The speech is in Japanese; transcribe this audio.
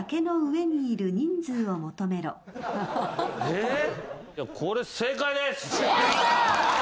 えっ！？